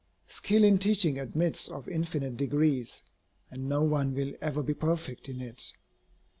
Skill in teaching admits of infinite degrees, and no one will ever be perfect in it.